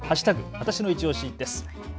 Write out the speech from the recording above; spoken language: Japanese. わたしのいちオシです。